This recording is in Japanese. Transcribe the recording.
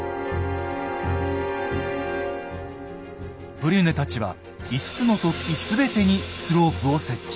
ブリュネたちは５つの突起全てにスロープを設置。